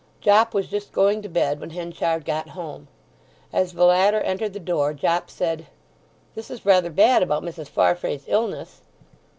Jopp was just going to bed when Henchard got home. As the latter entered the door Jopp said, "This is rather bad about Mrs. Farfrae's illness."